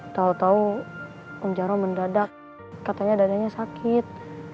tau tau om jarro mendadak katanya dadanya sakit